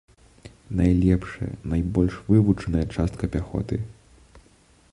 Найлепшая, найбольш вывучаная частка пяхоты.